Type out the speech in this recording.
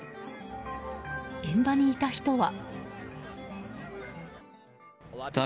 現場にいた人は。